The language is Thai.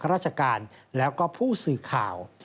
ราชการแล้วก็ผู้สื่อข่าว